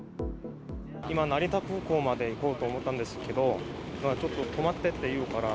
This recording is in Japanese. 今、成田空港まで行こうと思ったんですけど、ちょっと止まってるって言うから。